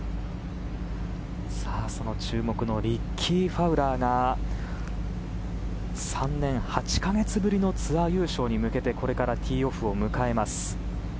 その注目のリッキー・ファウラーが３年８か月ぶりのツアー優勝に向けてこれからティーオフを迎えます。